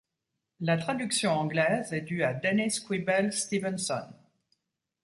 La traduction anglaise est due à Dennis Quibell Stephenson.